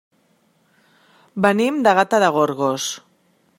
Venim de Gata de Gorgos.